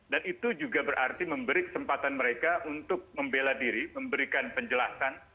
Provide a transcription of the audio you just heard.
dan itu juga berarti memberi kesempatan mereka untuk membela diri memberikan penjelasan